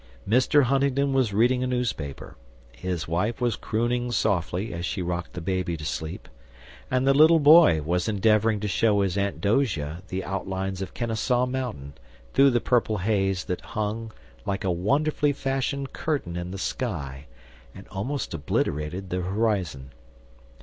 Mr. Huntingdon was reading a newspaper; his wife was crooning softly as she rocked the baby to sleep; and the little boy was endeavoring to show his Aunt Dosia the outlines of Kennesaw Mountain through the purple haze that hung like a wonderfully fashioned curtain in the sky and almost obliterated the horizon.